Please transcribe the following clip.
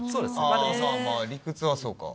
まぁまぁ理屈はそうか。